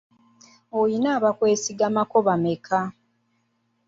Oyina abakwesigamako bameka?